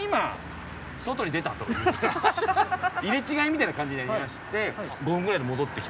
入れ違いみたいな感じになりまして。